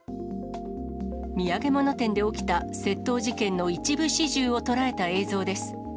土産物店で起きた窃盗事件の一部始終を捉えた映像です。